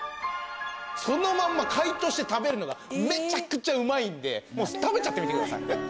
そのまんま解凍して食べるのがめちゃくちゃうまいんで食べちゃってみてください。